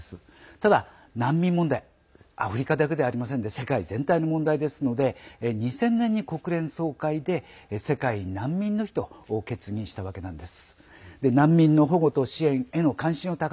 ただ、難民もアフリカだけでなく世界全体の問題ですので２０００年、国連総会で世界難民の日と決議したわけなんです。